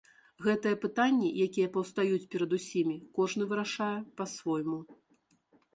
Гэтыя пытанні, якія паўстаюць перад усімі, кожны вырашае па-свойму.